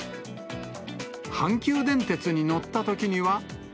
阪急電鉄に乗ったときには。